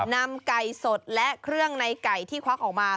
นำไก่สดและเครื่องในไก่ที่ควักออกมา